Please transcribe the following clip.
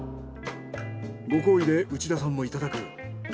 ご厚意で内田さんも頂く。